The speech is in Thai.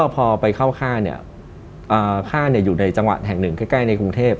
พอไปเข้าค่าอยู่ในจังหวัดแห่งหนึ่งใกล้ในกรุงเทพ